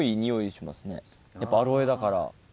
やっぱアロエだから。